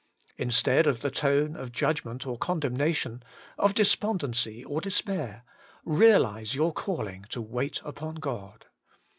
Instead of the tone of judgment or condemnation, of despondency or despair, realise your calling to wait upon God.